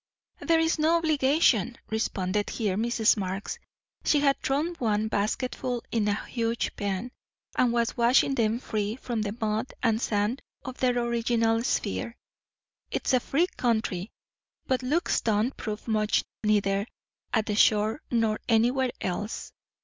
"There's no obligation," responded here Mrs. Marx. She had thrown one basketful into a huge pan, and was washing them free from the mud and sand of their original sphere. "It's a free country. But looks don't prove much neither at the shore nor anywhere else.